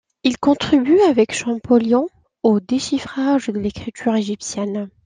Il contribue avec Champollion au déchiffrage de l'écriture égyptienne.